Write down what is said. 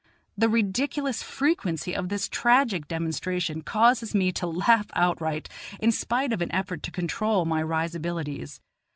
The ridiculous frequency of this tragic demonstration causes me to laugh outright, in spite of an effort to control my risibilities.